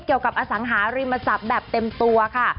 เกี่ยวกับอสังหาริมศัพท์แบบเต็มตัวค่ะ